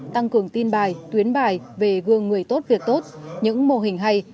tăng cường tin bài tuyến bài về gương người tốt việc tốt những mô hình hay